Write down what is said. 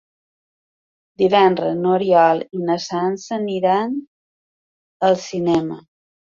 Divendres n'Oriol i na Sança aniran al cinema.